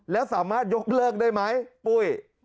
แล้วสามารถยกเลิกได้ไหมปุ้ย